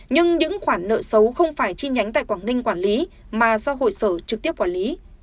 nhưng những khoản nợ xấu không phải chi nhánh tại quảng ninh quản lý mà do hội sở trực tiếp quản lý